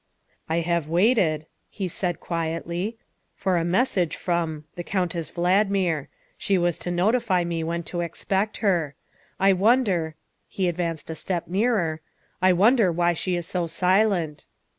" I have waited," he said quietly, " for a message from the Countess Valdmir. She was to notify me when to expect her. I wonder," he advanced a step nearer, " I wonder why she is so silent.